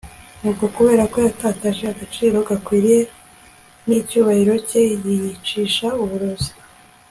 nuko kubera ko yatakaje agaciro gakwiranye n'icyubahiro cye, yiyicisha uburozi